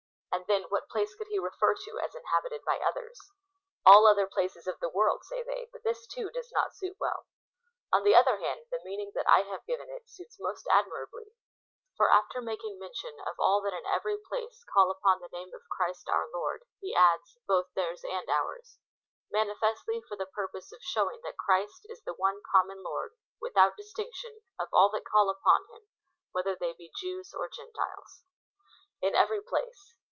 And then, what place could he refer to as inhabited by others ?" All other places of the world" (say they ;) but this, too, does not suit well. On the other hand, the meaning that I have given it suits most admirably ; for, after making mention of all that in every place call upon the name of Christ our Lord, he adds, both theirs and ours, manifestly for the purpose of showing that Christ is the one common Lord, without distinction, of all that call upon him, whether they be Jews or Gentiles. In every place.